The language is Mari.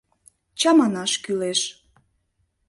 Чаманаш кӱлеш.